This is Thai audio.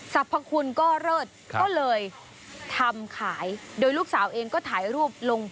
สรรพคุณก็เลิศก็เลยทำขายโดยลูกสาวเองก็ถ่ายรูปลง